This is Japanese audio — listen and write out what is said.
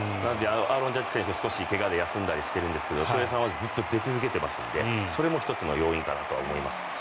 ジャッジさんが少し怪我で休んだりしていますが翔平さんは出続けていますのでそれも１つの要因かなと思います。